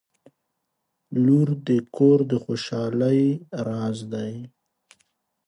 • لور د کور د خوشحالۍ راز دی.